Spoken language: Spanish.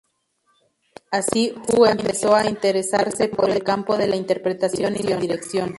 Así Hu empezó a interesarse por el campo de la interpretación y la dirección.